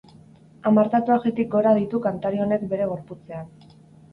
Hamar tatuajetik gora ditu kantari honek bere gorputzean.